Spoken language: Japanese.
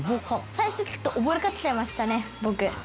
「最初ちょっと溺れかけちゃいましたね僕」